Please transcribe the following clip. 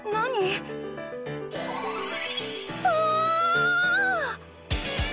うわ！